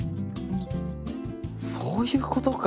そういうことか！